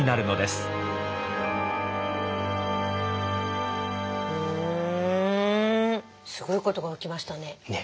すごいことが起きましたね。